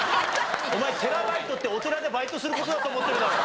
お前「テラバイト」ってお寺でバイトする事だと思ってるだろ。